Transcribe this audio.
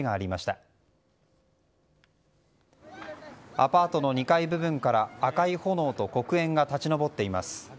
アパートの２階部分から赤い炎と黒煙が立ち上っています。